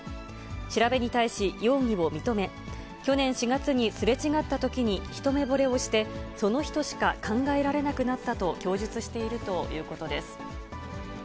調べに対し、容疑を認め、去年４月にすれ違ったときに一目ぼれをして、その人しか考えられなくなったと供述しているということです。